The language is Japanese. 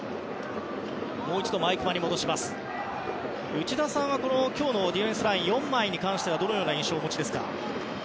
内田さんは今日のディフェンスラインの４枚に関してはどのような印象をお持ちですか？